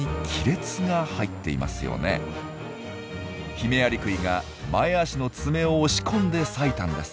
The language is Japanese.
ヒメアリクイが前足の爪を押し込んで裂いたんです。